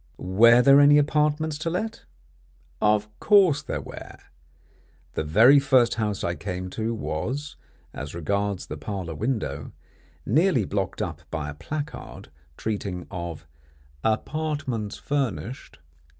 "Were there any apartments to let?" Of course there were. The very first house I came to was, as regards the parlour window, nearly blocked up by a placard treating of "Apartments Furnished."